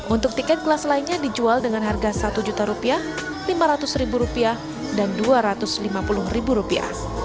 untuk tiket kelas lainnya dijual dengan harga satu juta rupiah lima ratus ribu rupiah dan dua ratus lima puluh ribu rupiah